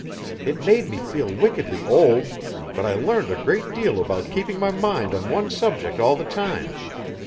It made me feel wickedly old; but I learned a great deal about keeping my mind on one subject all the time.